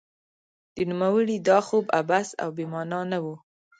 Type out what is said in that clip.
د نوموړي دا خوب عبث او بې مانا نه و.